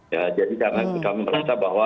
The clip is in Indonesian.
ya jadi jangan kami merasa bahwa